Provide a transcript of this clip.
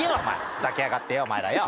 ふざけやがってよお前らよ。